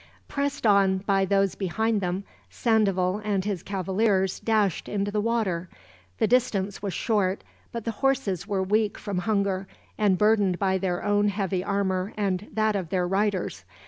Pressed on by those behind them, Sandoval and his cavaliers dashed into the water. The distance was short, but the horses were weak from hunger, and burdened by their own heavy armor and that of their riders.